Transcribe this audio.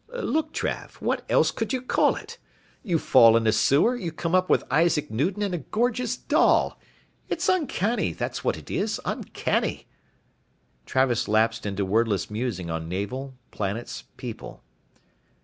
"Look, Trav, what else could you call it? You fall in a sewer, you come up with Isaac Newton and a gorgeous doll. It's uncanny, that's what it is, uncanny." Travis lapsed into wordless musing on Navel, planets, people.